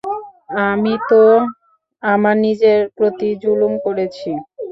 আমি তো আমার নিজের প্রতি জুলুম করেছি।